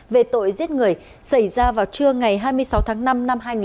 về tội giết người xảy ra vào trưa ngày hai mươi sáu tháng năm năm hai nghìn một mươi ba